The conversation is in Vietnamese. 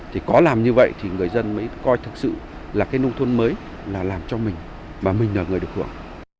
thì có làm như vậy thì người dân mới coi thực sự là cái nông thôn mới là làm cho mình mà mình là người được hưởng